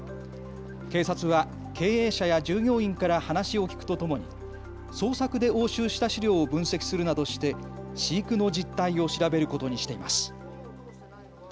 警察は経営者や従業員から話を聞くとともに捜索で押収した資料を分析するなどして飼育の実態を調べることにしています。